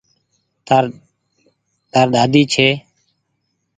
تآر ۮاۮي ڇي۔